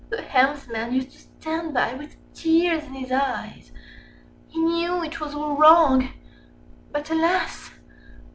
The helmsman used to stand by with tears in his eyes; he knew it was all wrong, but alas!